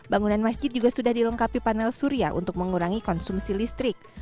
bangunan masjid juga sudah dilengkapi panel surya untuk mengurangi konsumsi listrik